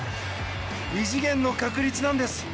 異次元の確率なんです。